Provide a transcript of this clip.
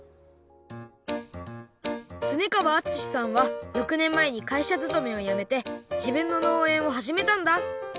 恒川京士さんは６ねんまえにかいしゃづとめをやめてじぶんののうえんをはじめたんだ。